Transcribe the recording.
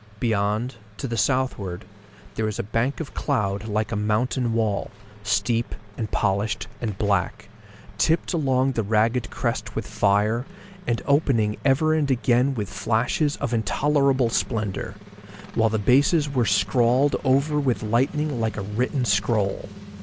Beyond, to the southward, there was a bank of cloud like a mountain wall, steep, and polished, and black, tipped along the ragged crest with fire, and opening ever and again with flashes of intolerable splendour, while the bases were scrawled over with lightning like a written scroll.